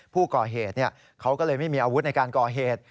ผู้ก่อเหตุเขาก็เลยไม่มีอาวุธในการก่อเหตุ